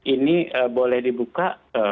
ini boleh dibuka